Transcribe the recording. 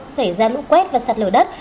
sẽ ra lũ quét và sạt lở đất